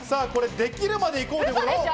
できるまでいこうということです。